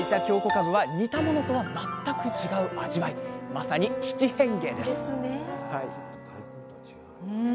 かぶは煮たものとは全く違う味わいまさに七変化です